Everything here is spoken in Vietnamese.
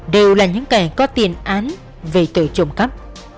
đều là những kẻ có tiền án về tội trộm cắp